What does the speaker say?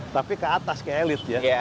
tapi ke atas ke elit ya